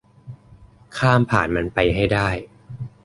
ข้ามผ่านมันไปให้ได้